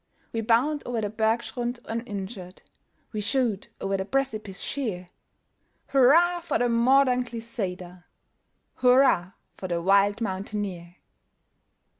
We bound o'er the bergschrund uninjured, We shoot o'er a precipice sheer; Hurrah, for the modern glissader! Hurrah, for the wild mountaineer!